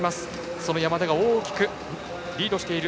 その山田が大きくリードしている。